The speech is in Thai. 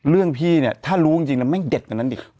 เรื่องพี่เนี่ยถ้ารู้จริงเนี่ยแม่งเด็ดกว่านั้นอีก